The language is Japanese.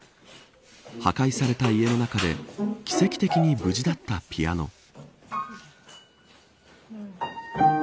破壊された家の中で奇跡的に無事だったピアノ。